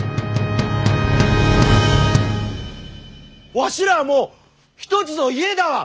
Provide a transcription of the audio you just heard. わしらはもう一つの家だわ！